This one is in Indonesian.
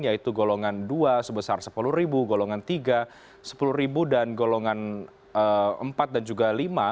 yaitu golongan dua sebesar sepuluh golongan tiga sepuluh dan golongan empat dan juga lima